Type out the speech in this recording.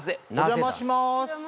お邪魔します